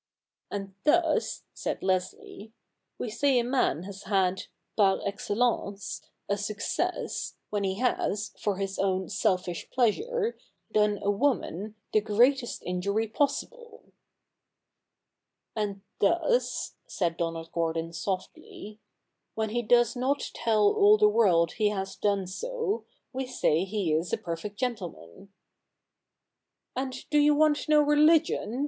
' And thus,' said Leslie, ' we say a man has had, pai excellence, a success, when he has, for his own selfish pleasure, done a woman the greatest injury possible.' ' And thus," said Donald (lOrdon softly, ' when he does not tell all the world he has done so, we say he is a perfect gentleman.' ' And do you want no religion ?